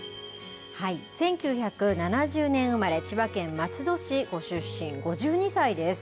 １９７０年生まれ、千葉県松戸市ご出身、５２歳です。